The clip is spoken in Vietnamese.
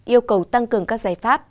yêu cầu tăng cường các giải pháp